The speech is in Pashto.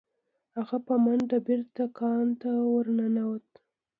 هغه په منډه بیرته دکان ته ورنوت.